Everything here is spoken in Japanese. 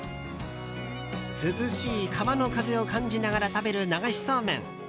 涼しい川の風を感じながら食べる流しそうめん。